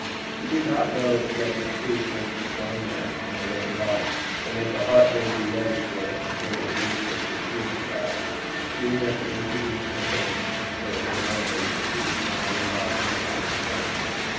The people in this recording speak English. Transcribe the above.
He did not know that the truth makes its own nest in the ready heart, and that the heart may be ready for it before the priest can perceive the fact, seeing that the imposition of hands confers, now a days at least, neither love nor common sense.